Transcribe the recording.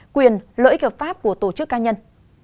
quyền lợi ích hợp pháp của tổ chức ca nhân